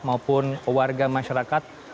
maupun warga masyarakat